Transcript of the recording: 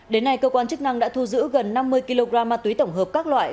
đến nay cơ quan chức năng đã thu giữ gần năm mươi kg ma túy tổng hợp các loại